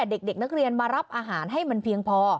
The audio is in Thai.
เด็กนักเรียนมารับอาหารให้มันเพียงพอ